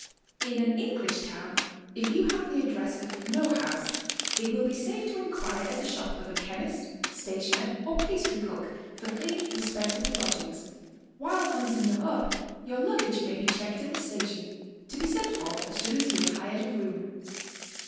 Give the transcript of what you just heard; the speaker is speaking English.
In an English town if you have the address of no house, it will be safe to inquire at the shop of a chemist, stationer, or pastry cook, for clean, respectable lodgings. While hunt ing them up, your luggage may be checked at the station, to be sent for as soon as you have hired a room.